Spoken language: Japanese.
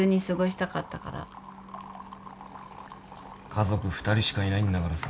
家族２人しかいないんだからさ